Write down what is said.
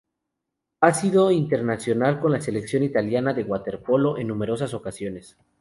Ha sido internacional con la selección italiana de waterpolo en numerosas ocasiones.